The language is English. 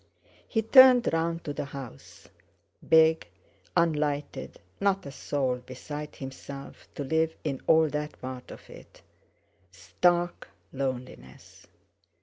He turned round to the house. Big, unlighted, not a soul beside himself to live in all that part of it. Stark loneliness!